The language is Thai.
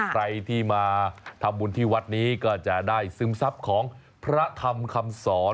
ใครที่มาทำบุญที่วัดนี้ก็จะได้ซึมซับของพระธรรมคำสอน